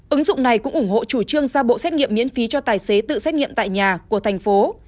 ứng dụng này cũng ủng hộ chủ trương ra bộ xét nghiệm miễn phí cho tài xế tự xét nghiệm tại nhà của thành phố